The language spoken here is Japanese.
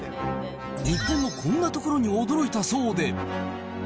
日本のこんなところに驚いたそうで。